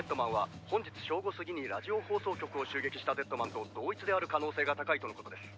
「本日正午すぎにラジオ放送局を襲撃したデッドマンと同一である可能性が高いとのことです」